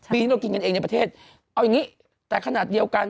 ปีนี้เรากินกันเองในประเทศเอาอย่างนี้แต่ขนาดเดียวกัน